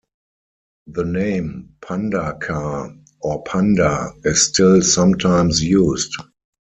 The name "panda car" or "panda" is still sometimes used.